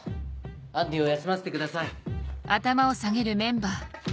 アンディを休ませてください。